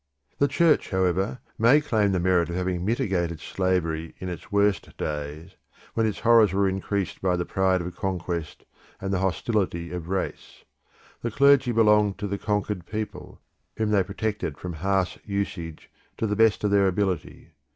The Church, however, may claim the merit of having mitigated slavery in its worst days, when its horrors were increased by the pride of conquest and the hostility of race. The clergy belonged to the conquered people, whom they protected from harsh usage to the best of their ability.